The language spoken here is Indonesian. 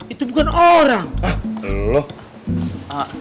itu bukan orang hah